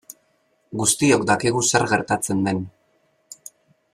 Guztiok dakigu zer gertatzen den.